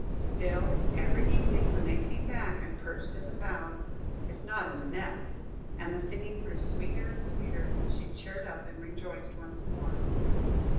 Still, every evening, when they came back and perched in the boughs, if not in the nest, and the singing grew sweeter and sweeter, she cheered up and rejoiced once more.